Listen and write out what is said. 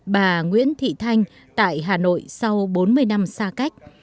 bà nguyễn thị thanh tại hà nội sau bốn mươi năm xa cách